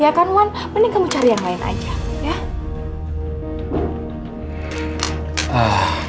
ya kan wan mending kamu cari yang lain aja ya